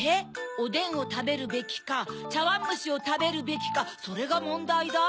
「おでんをたべるべきかちゃわんむしをたべるべきかそれがもんだいだ」？